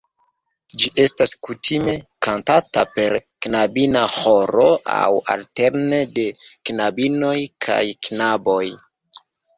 Ĝi estas kutime kantata per knabina ĥoro aŭ alterne de knabinoj kaj knaboj.